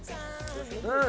うん。